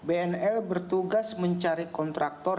bnl bertugas mencari kontraktor